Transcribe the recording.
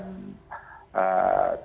presiden biden akan